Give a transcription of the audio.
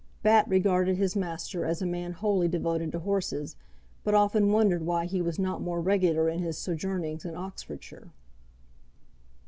Bat regarded his master as a man wholly devoted to horses, but often wondered why he was not more regular in his sojournings in Oxfordshire.